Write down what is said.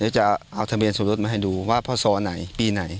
เดี๋ยวจะเอาทะเบียนสมรสมาให้ดูว่าพ่อซอไหนปีไหน